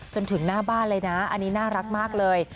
จนถึงหน้าบ้านเลยนะอันนี้น่ารักมากเลย